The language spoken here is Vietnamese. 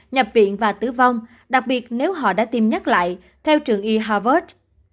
nhập viện và tử vong đặc biệt nếu họ đã tiêm nhắc lại theo trường y harvard